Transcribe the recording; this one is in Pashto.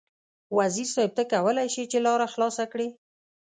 وزیر صیب ته کولای شې چې لاره خلاصه کړې.